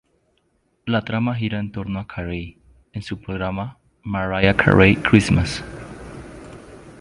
La trama gira en torno a Carey en su programa "Mariah Carey Christmas".